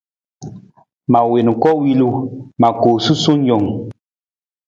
Ma wiin koowilu, ma koo sasuwe jang.